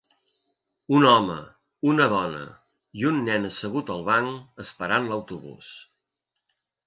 Un home, una dona i un nen assegut al banc esperant l'autobús.